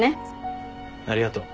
ありがとう。